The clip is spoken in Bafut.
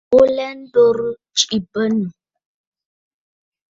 Bo lɛ ndoritə tsiʼi mbə̂nnù.